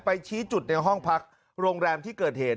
ชี้จุดในห้องพักโรงแรมที่เกิดเหตุ